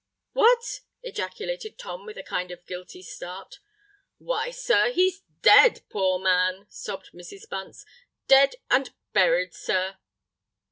"What?" ejaculated Tom, with a kind of guilty start. "Why, sir—he's dead, poor man!" sobbed Mrs. Bunce: "dead and buried, sir!"